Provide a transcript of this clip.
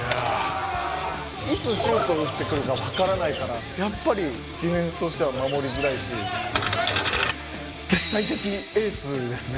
いつシュート打ってくるかわからないからやっぱりディフェンスとしては守りづらいし。ですね。